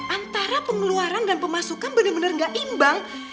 antara pengeluaran dan pemasukan bener bener gak imbang